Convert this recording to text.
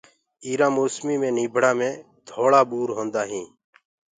اِيرآ موسميٚ مي نيٚڀڙآ مي ڌوݪآ ٻور هونٚدآ هينٚ